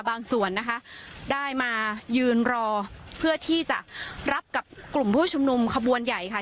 ส่วนนะคะได้มายืนรอเพื่อที่จะรับกับกลุ่มผู้ชุมนุมขบวนใหญ่ค่ะ